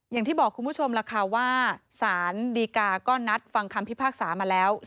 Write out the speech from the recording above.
อย่างที่บอกคุณผู้ชมล่ะค่ะว่าสารดีกาก็นัดฟังคำพิพากษามาแล้ว